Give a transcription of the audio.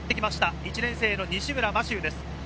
１年生の西村真周です。